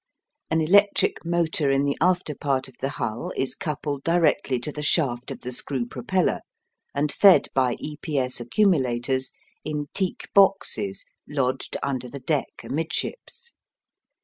An electric motor in the after part of the hull is coupled directly to the shaft of the screw propeller, and fed by "E P S" accumulators in teak boxes lodged under the deck amidships.